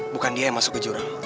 bukan dia yang masuk ke jurang